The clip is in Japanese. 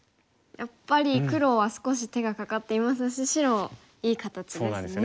やっぱり黒は少し手がかかっていますし白いい形ですね。